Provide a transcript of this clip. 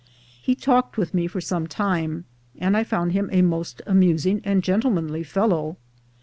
He talked with me for some time, and I found him a most amusing and gentlemanly fellow.